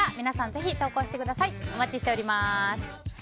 ぜひ投稿してください。